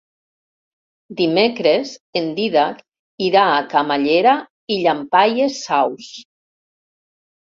Dimecres en Dídac irà a Camallera i Llampaies Saus.